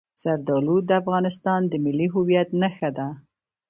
زردالو د افغانستان د ملي هویت نښه ده.